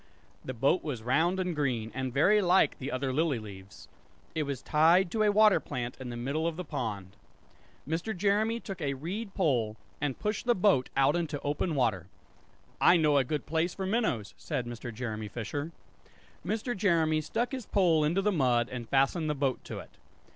The boat was round and green, and very like the other lily leaves. It was tied to a water plant in the middle of the pond. Mr. Jeremy took a reed pole, and pushed the boat out into open water. "I know a good place for minnows," said Mr. Jeremy Fisher. Mr. Jeremy stuck his pole into the mud and fastened the boat to it.